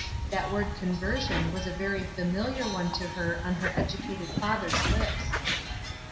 That word " conversion '' was a very famihar one to her on her educated father's lips.